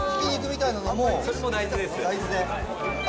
それも大豆です。